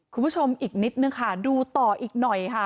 คุณผู้ชมอีกนิดนึงค่ะดูต่ออีกหน่อยค่ะ